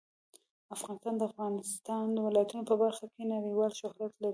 افغانستان د د افغانستان ولايتونه په برخه کې نړیوال شهرت لري.